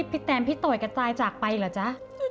ที่พี่แตมพี่โต๋ยกันจาจากไปเหรอจ้ะ